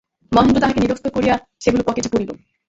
মহেন্দ্র তাহাকে নিরস্ত করিয়া সেগুলি পকেটে পুরিল।